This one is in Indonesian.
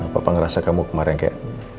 papa ngerasa kamu kemarin kayak